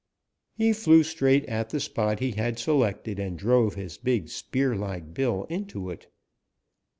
"He flew straight at the spot he had selected and drove his big spear like bill into it.